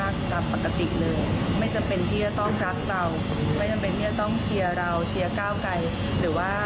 กรับปกติเลยไม่จำเป็นที่แต่ต้องรักเราเพื่อยังเป็นเยอะต้องเชียรัพธุ์เชียร์เก้าไกลหรือว่า